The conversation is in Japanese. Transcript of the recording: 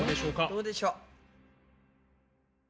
どうでしょう？